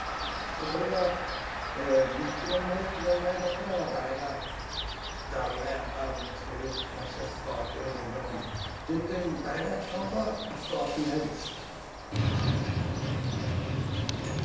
それが２００年前１００年前だったら「誰がやった」とそういう話は伝わってるはずなのに全然誰がやったのか伝わってないです。